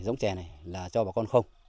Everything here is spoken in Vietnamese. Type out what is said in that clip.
giống chè này là cho bà con không